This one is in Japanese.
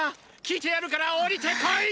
聞いてやるから下りてこい！